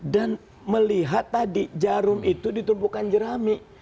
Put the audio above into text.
dan melihat tadi jarum itu ditumpukan jerami